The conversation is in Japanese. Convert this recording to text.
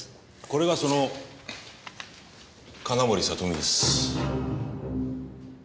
これがその金森里美です。